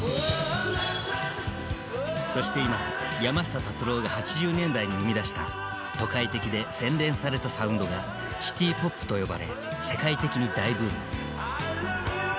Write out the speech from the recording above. そして今山下達郎が８０年代に生み出した都会的で洗練されたサウンドが「シティ・ポップ」と呼ばれ世界的に大ブーム！